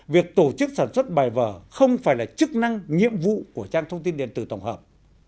việc tổ chức sản xuất bài vở không phải là chức năng nhiệm vụ của trang thông tin điện tử tổng hợp